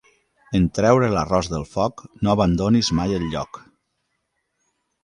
En treure l'arròs del foc no abandonis mai el lloc.